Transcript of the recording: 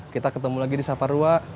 kita ketemu lagi di sapa rua